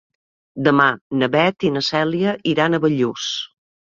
Demà na Beth i na Cèlia iran a Bellús.